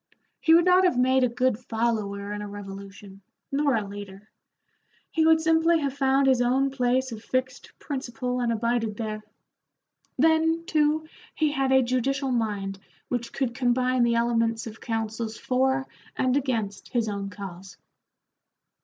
He would not have made a good follower in a revolution, nor a leader. He would simply have found his own place of fixed principle and abided there. Then, too, he had a judicial mind which could combine the elements of counsels for and against his own cause.